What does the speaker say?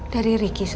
dari riki saya